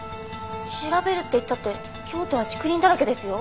調べるって言ったって京都は竹林だらけですよ。